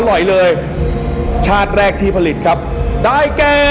อร่อยเลยชาติแรกที่ผลิตครับได้แก่